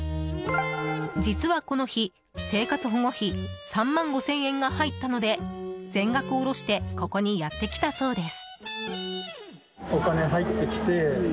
実はこの日、生活保護費３万５０００円が入ったので全額下ろしてここにやってきたそうです。